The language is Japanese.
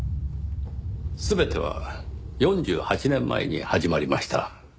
全ては４８年前に始まりました。